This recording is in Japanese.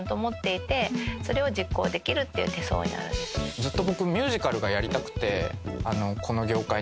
ずっと僕。